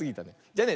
じゃあね